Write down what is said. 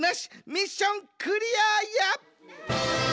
ミッションクリアや！